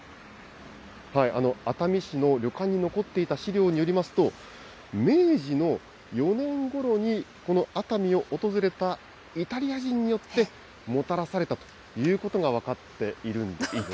熱海市の旅館に残っていた資料によりますと、明治の４年ごろに、この熱海を訪れたイタリア人によって、もたらされたということが分かっているんです。